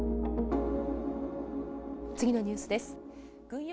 次のニュースです。